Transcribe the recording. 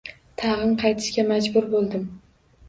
Tag`in qaytishga majbur bo`ldim